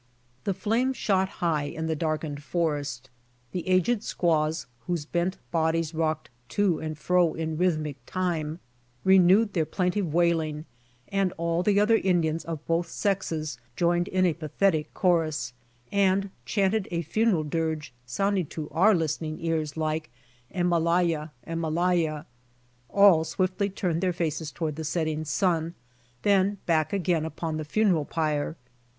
The flames shot high in the^ darkened forest. The aged squaws, whose bent bodies rocked to and fro in rythmic time, renewed their plaintive wailing and all the other Indians of both sexes joined in a pathetic chorus, and chanted a funeral dirge sounding to our listening ears like, "Emaylaya, emaylaja." All swiftly turned their faces tow^ard the setting sun, then back again upon the funeral pyre.